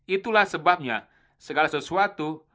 itulah sebabnya segala sesuatu